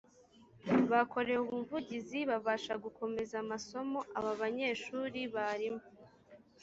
bakorewe ubuvugizi babasha gukomeza amasomo aba banyeshuri barimo